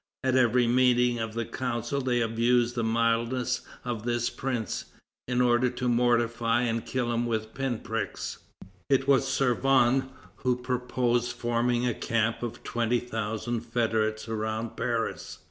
At every meeting of the Council they abused the mildness of this prince, in order to mortify and kill him with pin pricks." It was Servan who proposed forming a camp of twenty thousand federates around Paris.